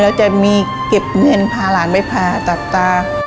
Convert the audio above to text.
แล้วจะมีเก็บเงินพาหลานไปผ่าตัดตา